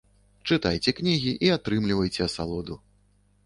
Чытайце кнігі і атрымлівайце асалоду!